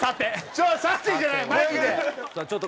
ちょっと「さて」じゃないマジで。